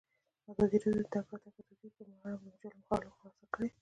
ازادي راډیو د د تګ راتګ ازادي په اړه د مجلو مقالو خلاصه کړې.